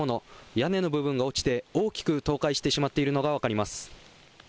屋根の部分が落ちて大きく倒壊してしまっているのが分かります。